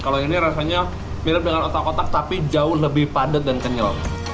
kalau ini rasanya mirip dengan otak otak tapi jauh lebih padat dan kenyal